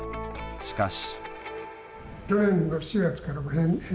しかし。